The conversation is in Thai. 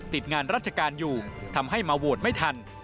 ติดงานราชการอยู่ทำให้มาโหวตไม่ทัน